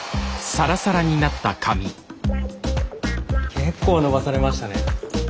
結構伸ばされましたね。